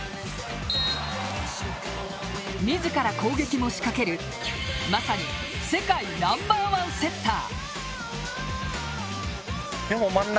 自ら攻撃も仕掛けるまさに世界ナンバー１セッター。